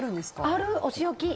ある、お仕置き。